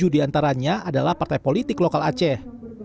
tujuh diantaranya adalah partai politik lokal aceh